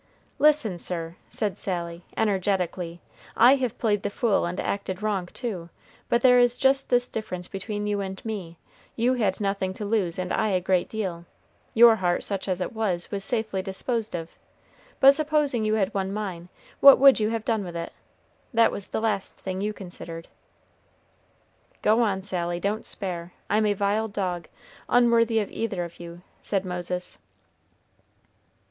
"Listen, sir!" said Sally, energetically; "I have played the fool and acted wrong too, but there is just this difference between you and me: you had nothing to lose, and I a great deal; your heart, such as it was, was safely disposed of. But supposing you had won mine, what would you have done with it? That was the last thing you considered." "Go on, Sally, don't spare; I'm a vile dog, unworthy of either of you," said Moses.